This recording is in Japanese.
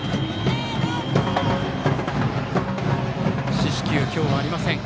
四死球、今日はありません